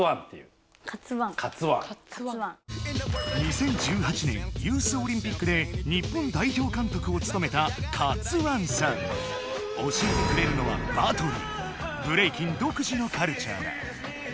２０１８年ユースオリンピックで日本代表かんとくをつとめた教えてくれるのはブレイキン独自のカルチャーだ。